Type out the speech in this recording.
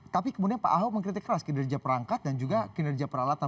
tapi kemudian pak ahok mengkritik keras kinerja perangkat dan juga kinerja peralatan